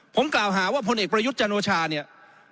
ผมกล่าวหาว่าพลเอกประยุทธ์จันโอชาเนี่ย